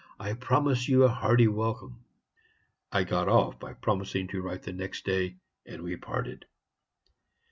I promise you a hearty welcome.' "I got off by promising to write the next day, and we parted.